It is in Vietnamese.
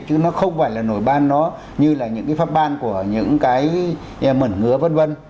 chứ nó không phải là nổi ban nó như là những cái phát ban của những cái mẩn ngứa v v